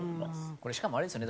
これしかもあれですよね。